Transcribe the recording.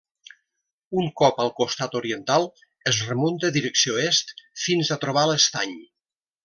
Un cop al costat oriental es remunta direcció est fins a trobar l'estany.